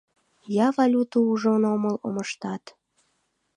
Я валюту ужын омыл омыштат.